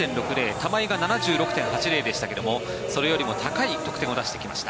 玉井が７６．８０でしたけどそれよりも高い得点を出してきました。